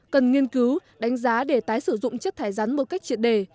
cần nghiên cứu đánh giá để tái sử dụng chất thải rắn một cách triệt đề